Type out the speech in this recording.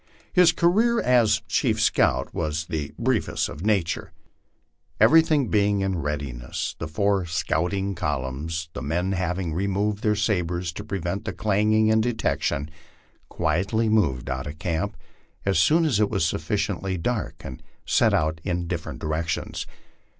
His career as * chief scout" was of the briefest nature. Everything being in readiness, tha LIFE ON THE PLAINS. 133 *bur scouting columns, the men having removed their sabres to prevent clang* ing and detection, quietly moved out of camp as soon as it was sufficiently dark, and set out in different directions.